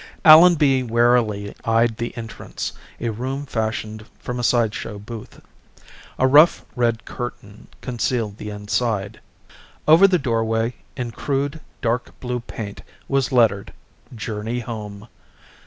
Allenby warily eyed the entrance, a room fashioned from a side show booth. A rough red curtain concealed the inside. Over the doorway, in crude dark blue paint, was lettered, "Journey Home."